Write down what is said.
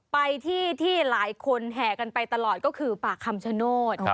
ไปที่ที่หลายคนแห่กันไปตลอดก็คือป่าคำชโนธ